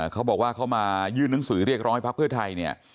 เขาบอกว่าเขามายื่นนังสือเรียกร้อยพักเพื่อไทย